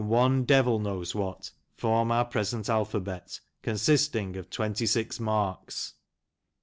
one devil knows what, form our present alphabet, consisting of twenty six marks."